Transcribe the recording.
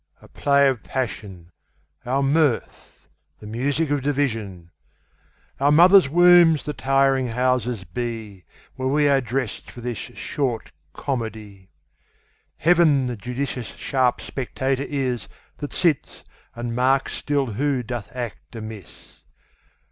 A play of passion, Our mirth the music of division, Our mother's wombs the tiring houses be, Where we are dressed for this short comedy. Heaven the judicious sharp spectator is, That sits and marks still who doth act amiss.